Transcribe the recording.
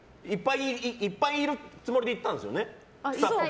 いっぱいいるつもりで行ったんですよね？